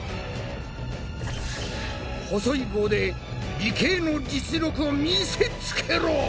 細い棒で理系の実力を見せつけろ！